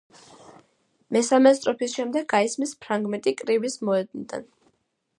მესამე სტროფის შემდეგ გაისმის ფრაგმენტი კრივის მოედნიდან.